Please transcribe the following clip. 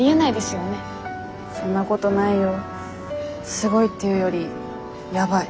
すごいっていうよりやばい。